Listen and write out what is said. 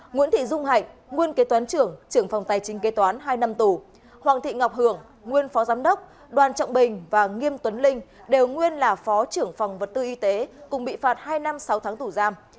nguyễn thị dung hạnh nguyên kế toán trưởng trưởng phòng tài chính kế toán hai năm tù hoàng thị ngọc hưởng nguyên phó giám đốc đoàn trọng bình và nghiêm tuấn linh đều nguyên là phó trưởng phòng vật tư y tế cùng bị phạt hai năm sáu tháng tù giam